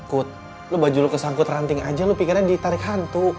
kut lo baju lo kesangkut ranting aja lo pikirnya ditarik hantu